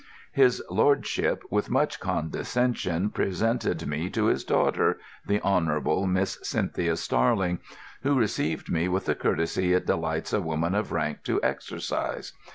His lordship with much condescension presented me to his daughter, the Honourable Miss Cynthia Starling, who received me with the courtesy it delights a woman of rank to exercise.